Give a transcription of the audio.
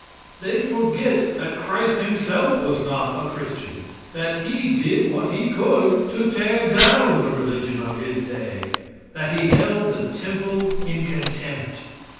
They forget that Christ himself was not a Christian, that He did what He could to tear down the religion of His day; that He held the temple in contempt.